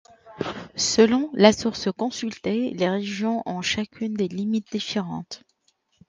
Selon la source consultée, les régions ont chacune des limites différentes.